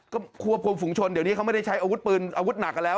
ก็ควบคุมฝุงชนเดี๋ยวนี้เขาไม่ได้ใช้อาวุธปืนอาวุธหนักกันแล้ว